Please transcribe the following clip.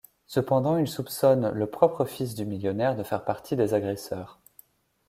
Cependant ils soupçonnent le propre fils du millionnaire de faire partie des agresseurs.